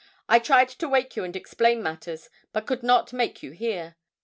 'I tried to wake you and explain matters, but could not make you hear.